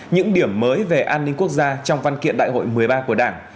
những điểm mới về an ninh quốc gia trong văn kiện đại hội một mươi ba của đảng